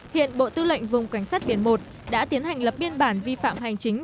hiện bộ tư lệnh vùng cảnh sát biển một đã tiến hành lập biên bản vi phạm hành chính